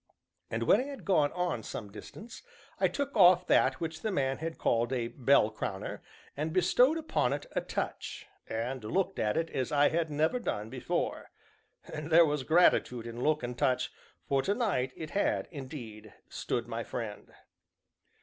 And, when I had gone on some distance, I took off that which the man had called a "bell crowner," and bestowed upon it a touch, and looked at it as I had never done before; and there was gratitude in look and touch, for tonight it had, indeed, stood my friend.